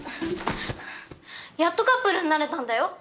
やっとカップルになれたんだよ